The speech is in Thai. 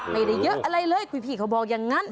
ไม่ได้เยอะอะไรเลยคุณพี่เขาบอกอย่างนั้น